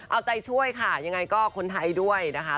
เอาใจช่วยค่ะยังไงก็คนไทยด้วยนะคะ